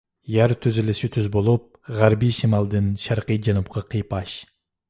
يەر تۈزۈلۈشى تۈز بولۇپ، غەربىي شىمالدىن شەرقىي جەنۇبقا قىيپاش.